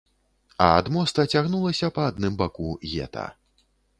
А ад моста цягнулася па адным баку гета.